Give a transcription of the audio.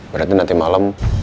berarti nanti malam